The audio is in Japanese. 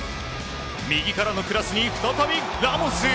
右からのクロスに再びラモス！